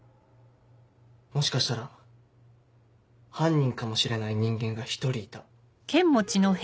もしかしたら犯人かもしれない人間が１人いた。